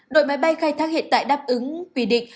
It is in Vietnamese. đội máy bay khai thác hiện tại đáp ứng quy định